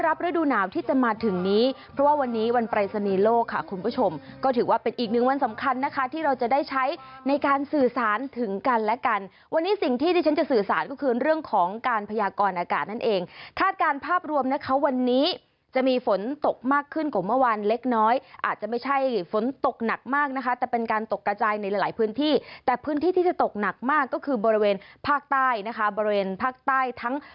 มาให้ต้อนรับฤดูหนาวที่จะมาถึงนี้เพราะว่าวันนี้วันปรายศนีย์โลกค่ะคุณผู้ชมก็ถือว่าเป็นอีกหนึ่งวันสำคัญนะคะที่เราจะได้ใช้ในการสื่อสารถึงกันและกันวันนี้สิ่งที่ที่ฉันจะสื่อสารก็คือเรื่องของการพยากรณ์อากาศนั่นเองฆาตการภาพรวมนะคะวันนี้จะมีฝนตกมากขึ้นกว่าเมื่อวานเล็กน้อยอาจจะไม่ใช่